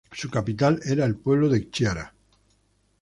Su capital es el pueblo de Chiara.